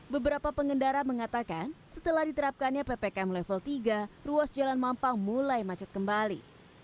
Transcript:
beberapa pengendara mengatakan setelah diterapkannya ppkm level tiga ruas jalan mampang mulai macet kembali